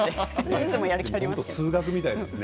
数学みたいですね